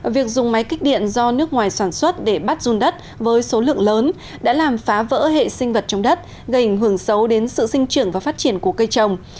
việc dùng máy kích điện do nước ngoài sản xuất để bắt run đất với số lượng lớn đã làm phá vỡ hệ sinh vật trong đất gây ảnh hưởng xấu đến sự sinh trưởng và phát triển của cây trồng